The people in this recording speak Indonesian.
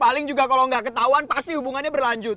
paling juga kalo gak ketauan pasti hubungannya berlanjut